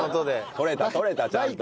録れた録れたちゃんと。